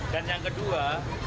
dan yang kedua